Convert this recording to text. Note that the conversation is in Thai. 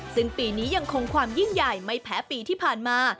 ซึ่งปีนี้ยังคงความยิ่งใหญ่ไม่แพ้ปีที่ผ่านมา